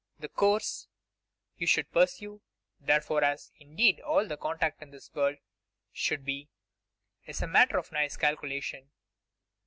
The course you should pursue, therefore, as, indeed, all conduct in this world should be, is a matter of nice calculation.